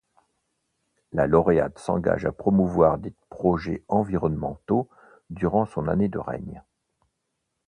La lauréate s'engage à promouvoir des projets environnementaux durant son année de règne.